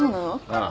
ああ。